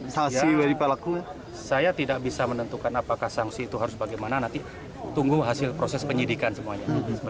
saya tidak bisa menentukan apakah sanksi itu harus bagaimana nanti tunggu hasil proses penyelidikan semuanya